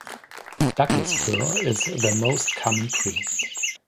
Douglas fir is the most common tree.